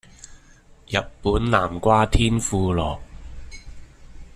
日本南瓜天婦羅